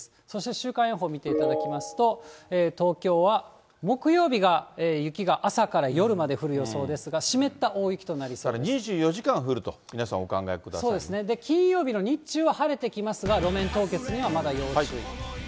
そして週間予報見ていただきますと、東京は木曜日が雪が朝から夜まで降る予想ですが、湿った大雪とな２４時間降ると、そうですね、金曜日の日中は晴れてきますが、路面凍結にはまだ要注意。